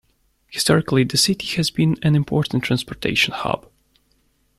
Historically, the city has been an important transportation hub.